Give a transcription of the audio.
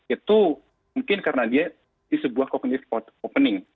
itu mungkin karena dia di sebuah kognitif opening